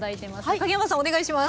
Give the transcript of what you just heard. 影山さんお願いします。